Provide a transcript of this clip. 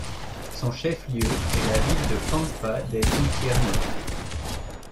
Son chef-lieu est la ville de Pampa del Infierno.